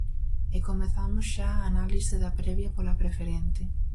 E comezamos xa a análise da previa pola Preferente.